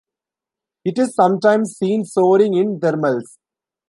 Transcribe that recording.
It is sometimes seen soaring in thermals.